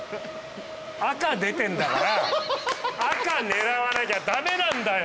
赤出てんだから赤狙わなきゃ駄目なんだよ。